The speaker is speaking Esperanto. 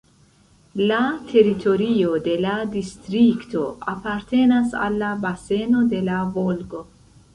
La teritorio de la distrikto apartenas al la baseno de la Volgo.